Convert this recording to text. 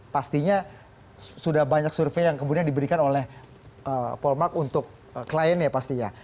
pastinya sudah banyak survei yang kemudian diberikan oleh polmark untuk kliennya pastinya